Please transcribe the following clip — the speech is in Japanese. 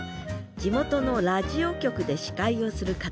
地元のラジオ局で司会をするかたわら